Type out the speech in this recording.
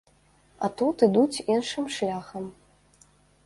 А тут ідуць іншым шляхам.